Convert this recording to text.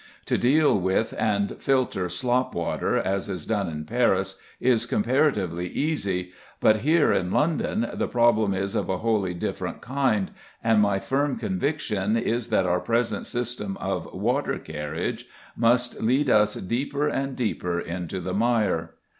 To deal with and filter slop water, as is done in Paris, is comparatively easy, but here in London the problem is of a wholly different kind, and my firm conviction is that our present system of "water carriage" must lead us deeper and deeper into the mire.